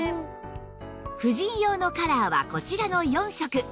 婦人用のカラーはこちらの４色